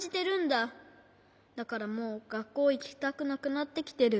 だからもうがっこういきたくなくなってきてる。